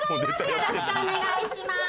よろしくお願いします。